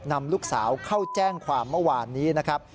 นำลูกสาวเข้าแจ้งความเมื่อวานนี้นะครับ